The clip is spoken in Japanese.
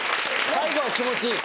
最後は気持ちいい。